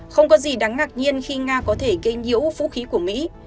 không có gì đáng ngạc nhiên khi nga có thể gây nhiễu vũ khí của mỹ